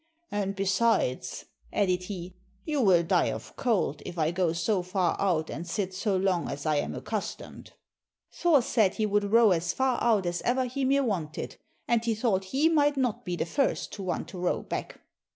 "And besides," added he, "you will die of cold, if I go so far out and sit so long as I am accustomed." Thor said he would row as far out as ever Hymir wanted, and he thought he might not be the first to want to row back.